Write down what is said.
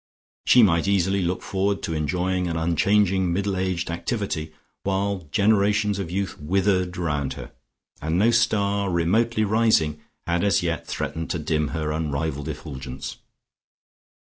She might easily look forward to enjoying an unchanging middle aged activity, while generations of youth withered round her, and no star, remotely rising, had as yet threatened to dim her unrivalled effulgence.